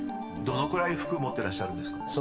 ［どのくらい服持ってらっしゃるんですか？］